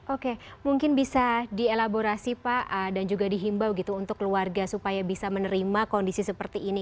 oke mungkin bisa dielaborasi pak dan juga dihimbau gitu untuk keluarga supaya bisa menerima kondisi seperti ini